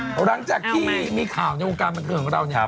หลังจากที่มีข่าวในโอกาสบันทึกของเรา